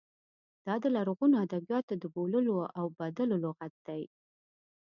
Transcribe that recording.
دا د لرغونو ادبیاتو د بوللو او بدلو لغت دی.